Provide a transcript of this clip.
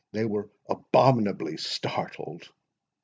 They were abominably startled."